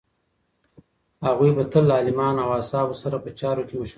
هغوی به تل له عالمانو او اصحابو سره په چارو کې مشوره کوله.